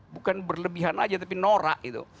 bukan berlebihan saja tapi norak